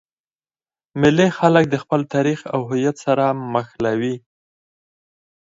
مېلې خلک د خپل تاریخ او هویت سره مښلوي.